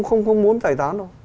không muốn giải thán đâu